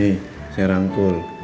dah nih saya rangkul